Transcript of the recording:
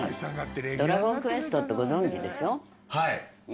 はい。